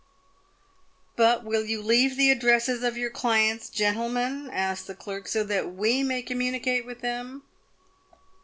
" But will you leave the addresses of your clients, gentlemen," asked the clerk, " so that we may communicate with them